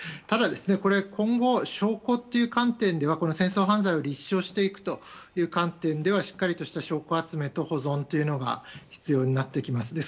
ただ、今後証拠という観点では戦争犯罪を立証していくという観点ではしっかりとした証拠集めと保存が必要になってきます。